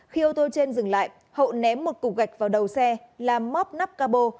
khi ô tô trên dừng lại hậu ném một cục gạch vào đầu xe làm móp nắp cabo